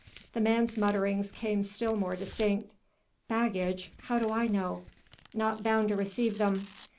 The man's mutterings became still more distinct. "Baggage ... how do I know?... not bound to receive them...."